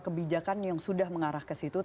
kebijakan yang sudah mengarah ke situ